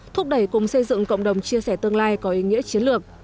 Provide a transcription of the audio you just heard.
thúc đẩy cùng xây dựng cộng đồng chia sẻ tương lai có ý nghĩa chiến lược